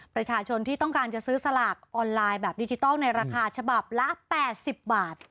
ประชาชนที่ต้องการจะซื้อสลากออนไลน์แบบดิจิทัลในราคาฉบับละ๘๐บาท